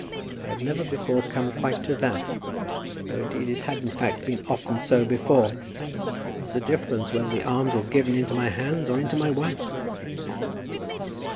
I had never before come quite to that; though, indeed, it had in fact been often so before. What was the difference whether the alms were given into my hands or into my wife's?"